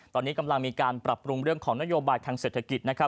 ตอนนี้กำลังมีการปรับปรุงเรื่องของนโยบายทางเศรษฐกิจนะครับ